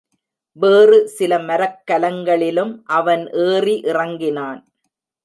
வேறு சில மரக்கலங்களிலும் அவன் ஏறி இறங்கினான்.